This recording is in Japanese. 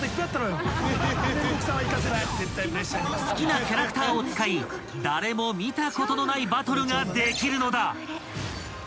［好きなキャラクターを使い誰も見たことのないバトルができるのだ］